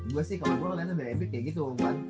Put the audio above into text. gue sih kalau gue liat lebih ambit kayak gitu